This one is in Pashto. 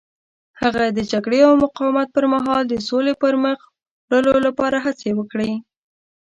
هغه د جګړې او مقاومت پر مهال د سولې پرمخ وړلو لپاره هڅې وکړې.